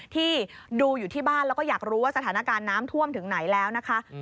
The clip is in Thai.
ที่ดูอยู่ที่บ้านแล้วก็อยากรู้ว่าสถานการณ์น้ำท่วมถึงไหนแล้วนะคะ